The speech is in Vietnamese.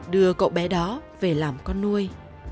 đưa cậu bé đó về làm con nuôi